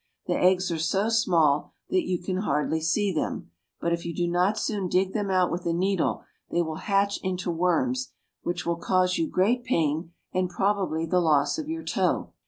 The eggs are so small that you can hardly see them, but if you do not soon dig them out with a needle they will hatch into worms, which will cause you great pain and probably the loss of your toe.